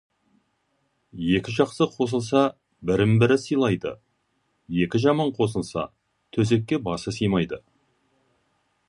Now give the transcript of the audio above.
Екі жақсы қосылса, бірін-бірі сыйлайды, екі жаман қосылса, төсекке басы сыймайды.